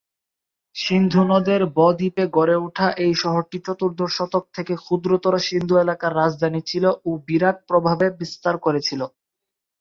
সিন্ধু নদের ব-দ্বীপে গড়ে উঠা এ শহরটি চতুর্দশ শতক থেকে ক্ষুদ্রতর সিন্ধু এলাকার রাজধানী ছিল ও বিরাট প্রভাবে বিস্তার করেছিল।